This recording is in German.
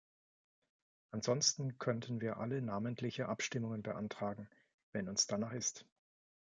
Ansonsten könnten wir alle namentliche Abstimmungen beantragen, wenn uns danach ist.